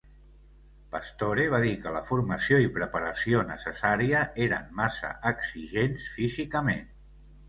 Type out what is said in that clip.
Pastore va dir que la formació i preparació necessària eren massa exigents físicament.